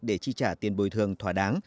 để chi trả tiền bồi thường thỏa đáng